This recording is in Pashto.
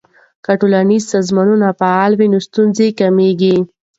که ټولنیز سازمانونه فعال وي نو ستونزې کمیږي.